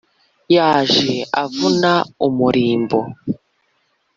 yaje avuna umurimbo